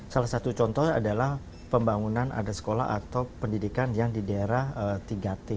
salah satu contoh adalah pembangunan ada sekolah atau pendidikan yang di daerah tiga t